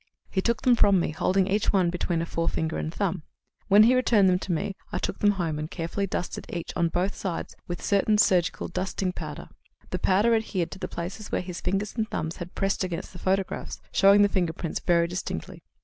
He took them from me, holding each one between a forefinger and thumb. When he returned them to me, I took them home and carefully dusted each on both sides with a certain surgical dusting powder. The powder adhered to the places where his fingers and thumbs had pressed against the photographs, showing the fingerprints very distinctly.